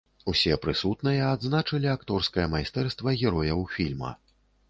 Усе прысутныя адзначылі акторскае майстэрства герояў фільма.